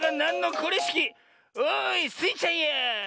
おいスイちゃんや！